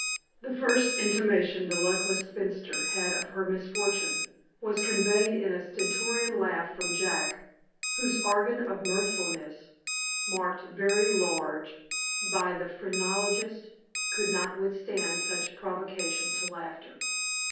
The first intimation the luckless spinster had of her misfortune, was conveyed in a stentorian laugh from Jack, whose organ of mirthfulness, marked very large by the phrenologist, could not withstand such a provocation to laughter.